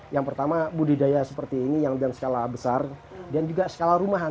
yang pertama budidaya seperti ini yang dengan skala besar dan juga skala rumahan